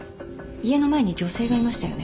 家の前に女性がいましたよね。